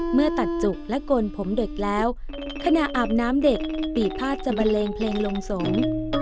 เมื่อตัดจุกและโกนผมเด็กแล้วขณะอาบน้ำเด็กปีภาษจะบันเลงเพลงลงสงฆ์